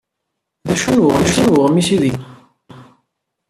D acu n uɣmis aydeg txeddem?